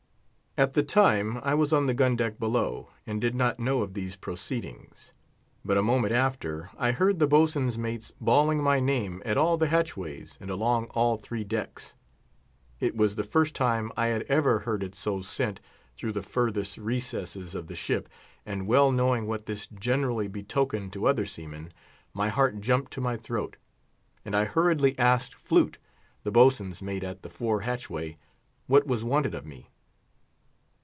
At the time I was on the gun deck below, and did not know of these proceedings; but a moment after, I heard the boatswain's mates bawling my name at all the hatch ways, and along all three decks. It was the first time I had ever heard it so sent through the furthest recesses of the ship, and well knowing what this generally betokened to other seamen, my heart jumped to my throat, and I hurriedly asked Flute, the boatswain's mate at the fore hatchway, what was wanted of me.